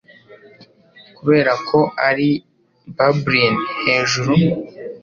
Kuberako ari bubblin 'hejuru